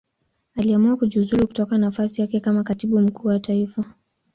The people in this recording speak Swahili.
Aliamua kujiuzulu kutoka nafasi yake kama Katibu Mkuu wa Taifa.